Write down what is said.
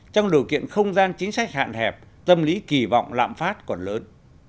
trong điều kiện không gian chính sách hạn hẹp tâm lý kỳ vọng lạm phát còn lớn